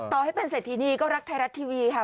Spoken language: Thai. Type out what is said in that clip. ต่อให้เป็นเศรษฐีนีก็รักไทยรัฐทีวีค่ะ